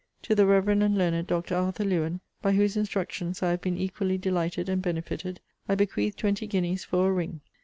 To the reverend and learned Dr. Arthur Lewen, by whose instructions I have been equally delighted and benefited, I bequeath twenty guineas for a ring.